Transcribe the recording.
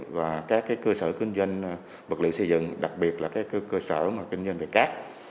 và các cơ sở kinh doanh vật liệu xây dựng đặc biệt là cơ sở kinh doanh về cát